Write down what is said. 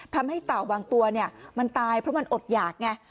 เต่าบางตัวเนี่ยมันตายเพราะมันอดหยากไง